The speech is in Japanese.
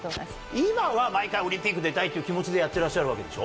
今は「毎回オリンピック出たい」っていう気持ちでやってらっしゃるわけでしょ？